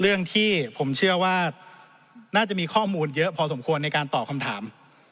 เรื่องที่ผมเชื่อว่าน่าจะมีข้อมูลเยอะพอสมควรในการตอบคำถาม